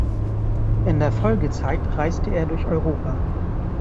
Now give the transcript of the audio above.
In der Folgezeit reiste er durch Europa.